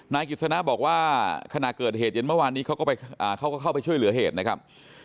นายกิจสนะบอกว่าขณะเกิดเหตุเย็นเมื่อวานนี้เขาก็เข้าไปช่วยเหลือเหตุนะครับ